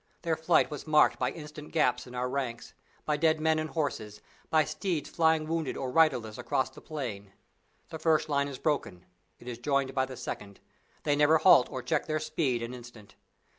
Their flight was marked by instant gaps in our ranks, by dead men and horses, by steeds flying wounded or riderless across the plain. The first line is broken it is joined by the second they never halt or check their speed an instant.